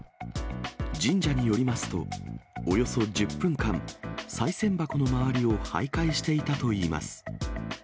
神社によりますと、およそ１０分間、さい銭箱の周りをはいかいしていたといいます。